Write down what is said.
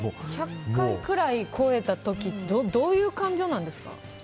１００回くらい超えた時どういう感情なんですか？